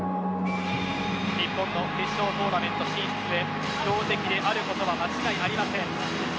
日本の決勝トーナメント進出へ強敵であることは間違いありません。